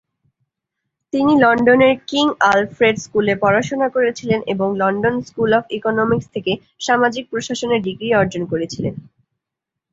তিনি লন্ডনের King Alfred স্কুলে পড়াশোনা করেছিলেন এবং লন্ডন স্কুল অব ইকোনমিক্স থেকে সামাজিক প্রশাসনে ডিগ্রি অর্জন করেছিলেন।